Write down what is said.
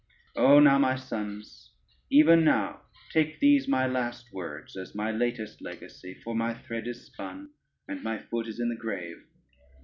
Oh now, my sons, even now take these my last words as my latest legacy, for my thread is spun, and my foot is in the grave.